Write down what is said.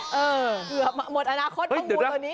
เกือบมาหมดอนาคตของมูลตัวนี้